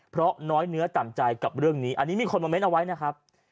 เพราะน้อยเนื้อต่ำใจกับเรื่องนี้อันนี้มีคนมาเน้นเอาไว้นะครับ